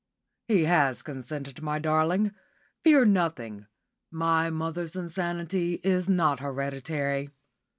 "He has consented, my darling. Fear nothing. My mother's insanity is not hereditary.